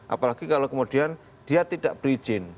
apalagi kalau kemudian dia tidak berizin